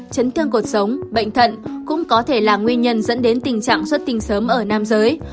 chấn thương cuộc sống bệnh thận cũng có thể là nguyên nhân dẫn đến tình trạng xuất tinh sớm ở nam giới